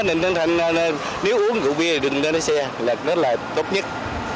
nên nếu uống rượu bia thì đừng lái xe đó là tốt nhất